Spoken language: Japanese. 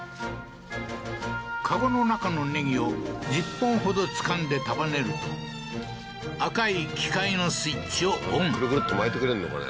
籠の中のネギを１０本ほどつかんで束ねると赤い機械のスイッチをオンクルクルっと巻いてくれんのかね？